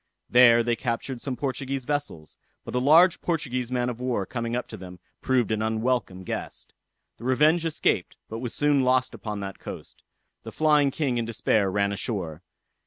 There they captured some Portuguese vessels; but a large Portuguese man of war coming up to them, proved an unwelcome guest. The Revenge escaped, but was soon lost upon that coast. The Flying King in despair run ashore.